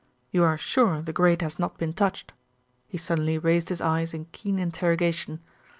You are sure the grate has not been touched?" He suddenly raised his eyes in keen interrogation.